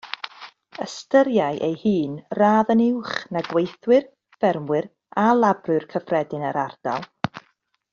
Ystyriai ei hun radd yn uwch na gweithwyr, ffermwyr a labrwyr cyffredin yr ardal.